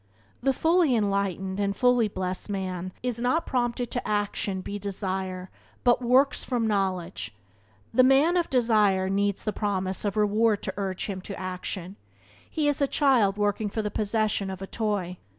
The fully enlightened and fully blessed man is not prompted to action be desire but works from knowledge. The man of desire needs the promise of reward to urge him to action. He is as a child working for the possession of a toy.